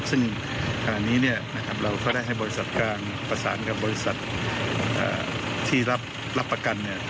ซึ่งขณะนี้เราก็ได้ให้บริษัทกลางประสานกับบริษัทที่รับประกัน